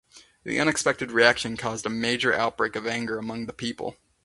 This unexpected reaction caused a major outbreak of anger among the people.